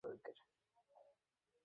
কিন্তু Abu Bakr এর ব্যতিক্রম।